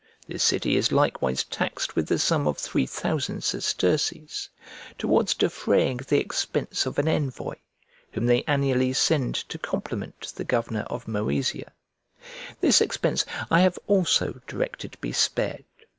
This city is likewise taxed with the sum of three thousand sesterces towards defraying the expense of an envoy, whom they annually send to compliment the governor of Moesia: this expense I have also directed to be spared.